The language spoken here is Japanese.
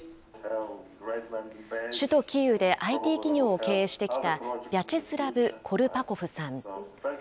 首都キーウでＩＴ企業を経営してきた、ビャチェスラブ・コルパコフさん。